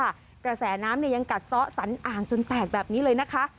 และแสนน้ำยังกัดซะสันอ่างจนแตกแบบนี้เลยนะคะ